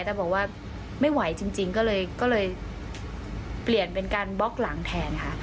แต่บอกว่าไม่ไหวจริงก็เลยเปลี่ยนเป็นการบล็อกหลังแทนค่ะ